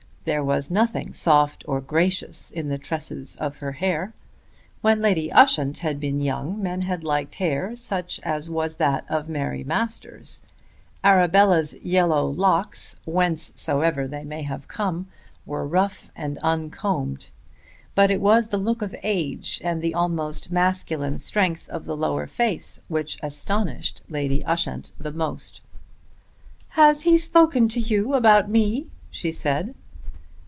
There was nothing soft or gracious in the tresses of her hair. When Lady Ushant had been young men had liked hair such as was that of Mary Masters. Arabella's yellow locks, whencesoever they might have come, were rough and uncombed. But it was the look of age, and the almost masculine strength of the lower face which astonished Lady Ushant the most. "Has he spoken to you about me?" she said.